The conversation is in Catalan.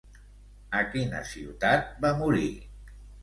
A quina ciutat va morir?